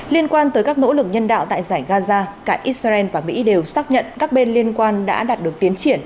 liên quan tới các nỗ lực nhân đạo tại giải gaza cả israel và mỹ đều xác nhận các bên liên quan đã đạt được tiến triển